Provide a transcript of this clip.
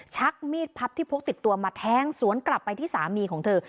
ชักมีดพับที่พกติดตัวมาแทงสวนกลับไปที่สามีของเธอ